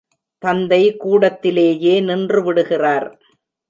தந்தை கூடத்திலேயே நின்றுவிடுகிறார்.